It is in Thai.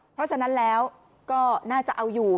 เพราะฉะนั้นแล้วก็น่าจะเอาอยู่